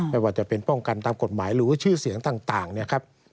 ไม่ว่าจะเป็นป้องกันตามกฎหมายหรือชื่อเสียงต่างเนี่ยครับ